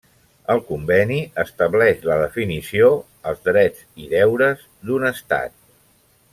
El conveni estableix la definició, els drets i deures d'un Estat.